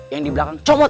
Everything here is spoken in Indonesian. yang di belakang comot